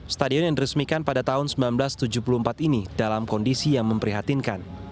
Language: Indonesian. stadion yang diresmikan pada tahun seribu sembilan ratus tujuh puluh empat ini dalam kondisi yang memprihatinkan